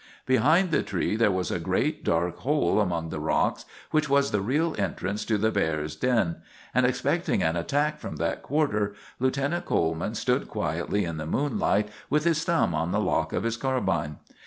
Behind the tree there was a great, dark hole among the rocks, which was the real entrance to the bears' den; and expecting an attack from that quarter, Lieutenant Coleman stood quietly in the moonlight, with his thumb on the lock of his carbine.